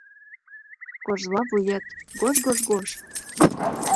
Кожла вует — гож-гож-гож